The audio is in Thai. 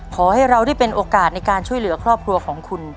ขอให้เราได้เป็นโอกาสในการช่วยเหลือครอบครัวของคุณ